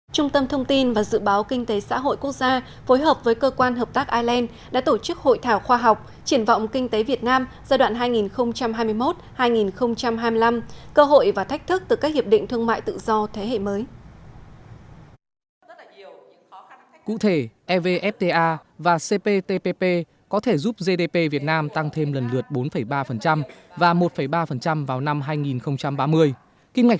trung tâm thông tin và dự báo kinh tế xã hội quốc gia phối hợp với cơ quan hợp tác island đã tổ chức hội thảo khoa học triển vọng kinh tế việt nam giai đoạn hai nghìn hai mươi một hai nghìn hai mươi năm cơ hội và thách thức từ các hiệp định thương mại tự do thế hệ mới